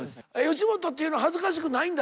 吉本っていうのは恥ずかしくないんだ？